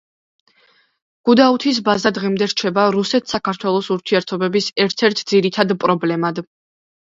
გუდაუთის ბაზა დღემდე რჩება რუსეთ-საქართველოს ურთიერთობების ერთ-ერთ ძირითად პრობლემად.